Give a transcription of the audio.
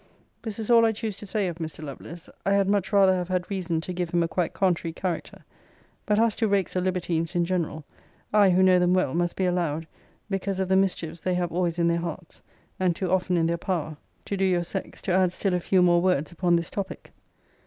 This is all I choose to say of Mr. Lovelace. I had much rather have had reason to give him a quite contrary character. But as to rakes or libertines in general, I, who know them well, must be allowed, because of the mischiefs they have always in their hearts, and too often in their power, to do your sex, to add still a few more words upon this topic.